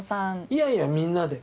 いやいやみんなで。